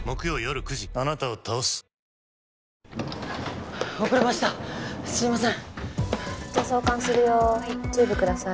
ああすいません。